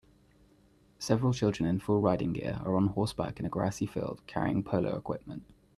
Several children in full riding gear are on horseback in a grassy field carrying polo equipment.